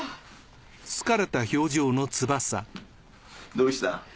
どうした？